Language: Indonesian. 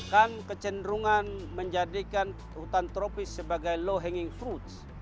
kan kecenderungan menjadikan hutan tropis sebagai low hanging fruit